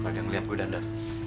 kalo dia ngeliat gue dandan